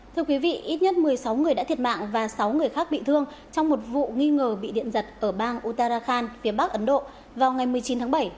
thưa quý vị ít nhất một mươi sáu người đã thiệt mạng và sáu người khác bị thương trong một vụ nghi ngờ bị điện giật ở bang uttarakhand phía bắc ấn độ vào ngày một mươi chín tháng bảy